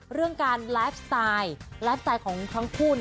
เรื่องการไลฟ์สไตล์ไลฟ์สไตล์ของทั้งคู่